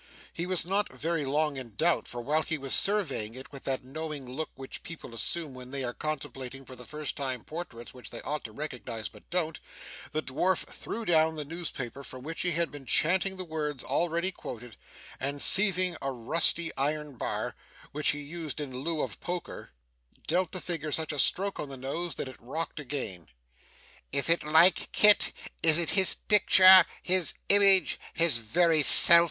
He was not very long in doubt; for, while he was surveying it with that knowing look which people assume when they are contemplating for the first time portraits which they ought to recognise but don't, the dwarf threw down the newspaper from which he had been chanting the words already quoted, and seizing a rusty iron bar, which he used in lieu of poker, dealt the figure such a stroke on the nose that it rocked again. 'Is it like Kit is it his picture, his image, his very self?